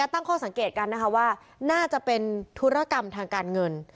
ตั้งข้อสังเกตกันนะคะว่าน่าจะเป็นธุรกรรมทางการเงิน